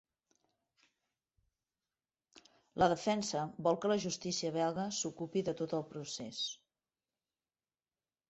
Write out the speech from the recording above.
La defensa vol que la justícia belga s'ocupi de tot el procés.